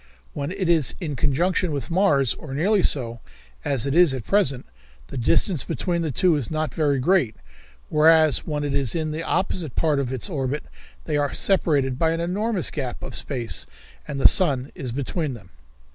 When it is in conjunction with Mars, or nearly so, as it is at present, the distance between the two is not very great, whereas when it is in the opposite part of its orbit they are separated by an enormous gap of space and the sun is between them."